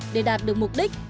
để đạt được mục đích